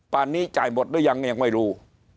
นี้จ่ายหมดหรือยังยังไม่รู้